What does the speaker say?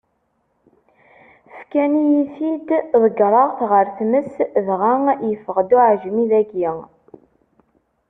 Fkan-iyi-t-id, ḍeggreɣ-t ɣer tmes, dɣa yeffeɣ-d uɛejmi-agi.